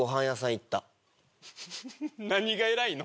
何が偉いの？